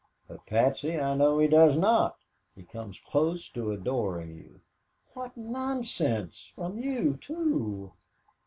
"But, Patsy, I know he does not. He comes close to adoring you." "What nonsense! From you, too!